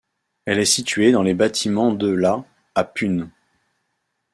Elle est située dans les bâtiments de la à Pune.